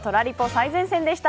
最前線でした。